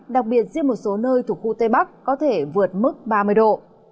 đặc biệt riêng một số nơi thuộc khu tây bắc có thể vượt mức ba mươi độ